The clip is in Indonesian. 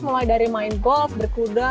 mulai dari main golf berkuda